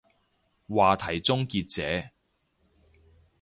話題終結者